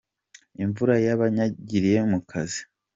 Imvura yabanyagiriye mukazi.